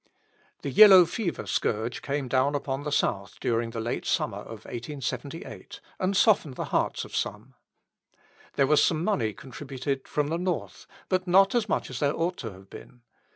The yellow fever scourge came down upon the South during the late summer of 1878, and softened the hearts of some. There was some money contributed from the North, but not as much as there ought to have been.